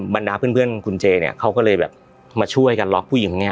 บรรดาเพื่อนคุณเจเนี่ยเขาก็เลยแบบมาช่วยกันล็อกผู้หญิงคนนี้